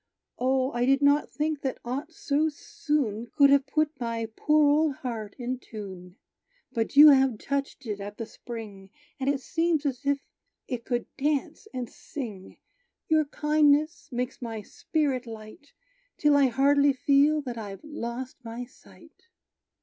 O, I did not think that aught so soon Could have put my poor old heart in tune. But you have touched it at the spring, And it seems as if it could dance and sing. Your kindness makes my spirit light, Till I hardly feel that I've lost my sight!"